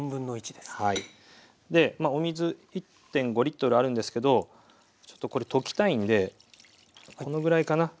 でお水１．５あるんですけどちょっとこれ溶きたいんでこのぐらいかな？